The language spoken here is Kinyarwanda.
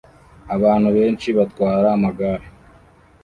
abantu benshi batwara amagare